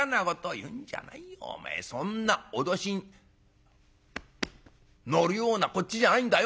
お前そんな脅しに乗るようなこっちじゃないんだよ。